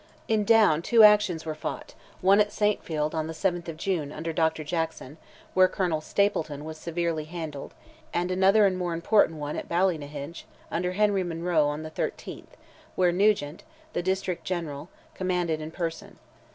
In Down two actions were fought, one at Saintfield on the 7th of June, under Dr. Jackson—where Colonel Stapleton was severely handled—and another and more important one at Ballynahinch, under Henry Munro, on the 13th, where Nugent, the district General, commanded in person.